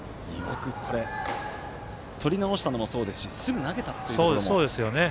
とり直したのもそうですしすぐ投げたというのも。